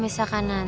lah tuh akhirnya